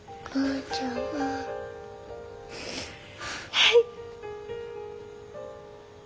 はい。